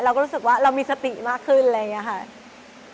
เราก็รู้สึกว่าเรามีสติมากขึ้นอะไรอย่างนี้ค่ะ